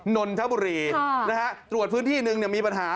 นนทบุรีนะฮะตรวจพื้นที่หนึ่งเนี่ยมีปัญหา